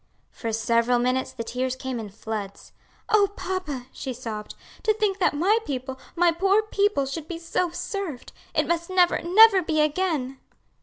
For several minutes the tears came in floods. "Oh, papa," she sobbed, "to think that my people, my poor people, should be so served. It must never, never be again!"